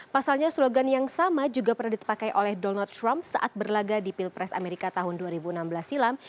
pasalnya slogan yang sama juga pernah dipakai oleh donald trump saat berlaga di pilpres amerika tahun dua ribu enam belas silam